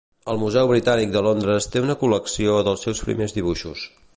El Museu Britànic de Londres té una col·lecció dels seus primers dibuixos.